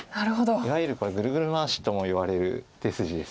いわゆるこれグルグル回しともいわれる手筋です。